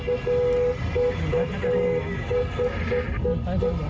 โอ้โหคุณผู้ชมฮะ